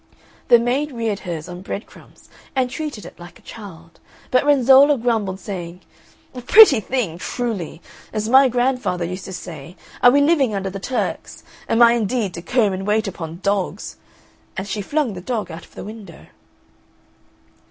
The maid reared hers on bread crumbs and treated it like a child; but Renzolla grumbled, saying, "A pretty thing truly! As my grandfather used to say, Are we living under the Turks? Am I indeed to comb and wait upon dogs?" and she flung the dog out of the window!